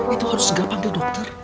itu harus segera panggil dokter